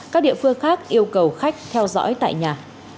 các địa phương khác yêu cầu khách theo dõi tại nhà